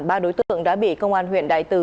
ba đối tượng đã bị công an huyện đại từ